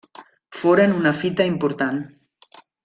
Foren una fita important.